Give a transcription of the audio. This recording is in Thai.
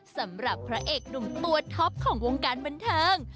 สำหรับพระเอกหนุ่มตัวท็อปของวงการบันเทิง